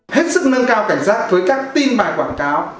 hết sức nâng cao cảnh giác với các tin bài quảng cáo